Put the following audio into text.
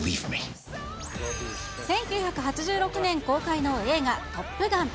１９８６年公開の映画、トップガン。